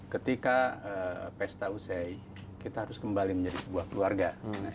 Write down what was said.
ketika pesta usai kita harus kembali menjadi sebuah keluarga